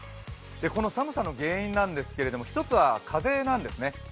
この寒さの原因なんですけれども、一つは風なんですね。